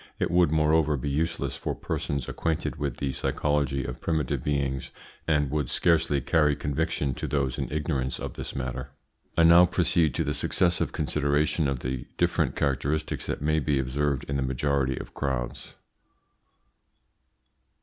It would, moreover, be useless for persons acquainted with the psychology of primitive beings, and would scarcely carry conviction to those in ignorance of this matter. I now proceed to the successive consideration of the different characteristics that may be observed in the majority of crowds.